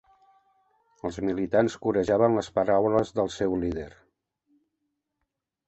Els militants corejaven les paraules del seu líder.